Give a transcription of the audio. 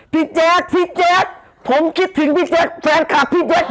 แจ๊คพี่แจ๊คผมคิดถึงพี่แจ๊คแฟนคลับพี่แจ๊ค